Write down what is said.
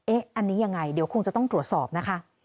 อันนี้ยังไงเดี๋ยวคงจะต้องตรวจสอบนะคะ